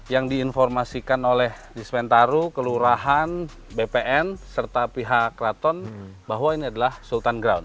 yang diinformasikan oleh dispentaru kelurahan bpn serta pihak keraton bahwa ini adalah sultan ground